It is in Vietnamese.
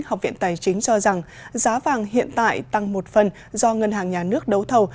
học viện tài chính cho rằng giá vàng hiện tại tăng một phần do ngân hàng nhà nước đấu thầu